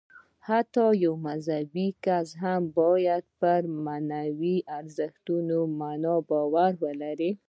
حتی غیر مذهبي کسان هم باید پر معنوي ارزښتونو باور ولري.